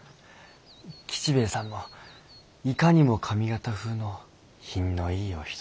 吉兵衛さんもいかにも上方風の品のいいお人だねえ。